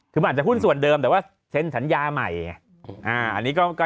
คือมันอาจจะหุ้นส่วนเดิมแต่ว่าเซ็นสัญญาใหม่อันนี้ก็อยู่ที่ว่า